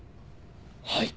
はい！